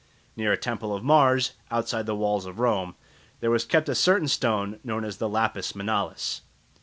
Near a temple of Mars, outside the walls of Rome, there was kept a certain stone known as the _lapis manalis.